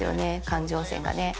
感情線がね。